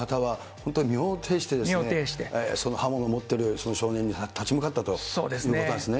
本当に身をていしてですね、その刃物を持ってる少年に立ち向かったということですね。